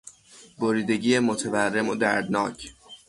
بریدگی متورم و دردناک